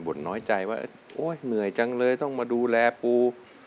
่นน้อยใจว่าโอ๊ยเหนื่อยจังเลยต้องมาดูแลปู